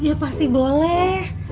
ya pasti boleh